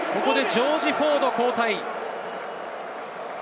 ジョージ・フォード、交代。